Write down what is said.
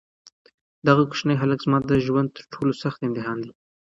دغه کوچنی هلک زما د ژوند تر ټولو سخت امتحان دی.